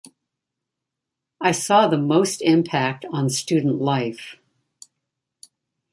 I saw the most impact on student life.